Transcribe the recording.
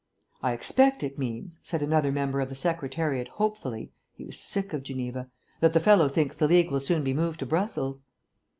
"I expect it means," said another member of the Secretariat hopefully (he was sick of Geneva), "that the fellow thinks the League will soon be moved to Brussels."